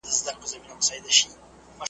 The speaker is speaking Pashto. او همدغه موزونیت دی .